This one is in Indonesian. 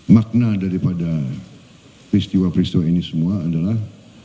makna daripada peristiwa peristiwa ini semua adalah